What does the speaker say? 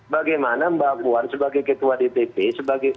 bagaimana mbak puan sebagai ketua dpp sebagai